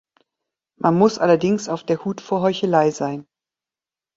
Man muss allerdings auf der Hut vor Heuchelei sein.